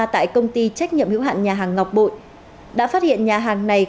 tại công ty trách nhiệm hữu hạn nhà hàng ngọc bội đã phát hiện nhà hàng này